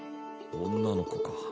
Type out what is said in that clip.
女の子か。